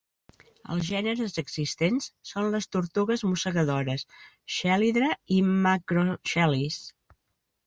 Els gèneres existents són les tortugues mossegadores "Chelydra" i "Macrochelys".